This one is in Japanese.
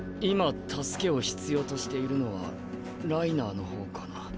今助けを必要としているのはライナーの方かな？